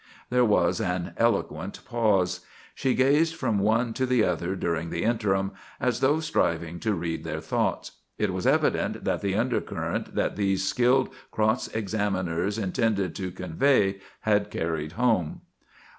There was an eloquent pause. She gazed from one to the other during the interim, as though striving to read their thoughts. It was evident that the undercurrent that these skilled cross examiners intended to convey had carried home.